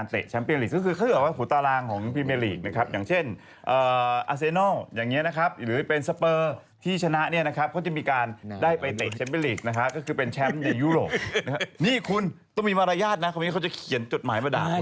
นี่คุณต้องมีมารยาทนะเพราะไม่งั้นเขาจะเขียนจดหมายมาด่าคุณ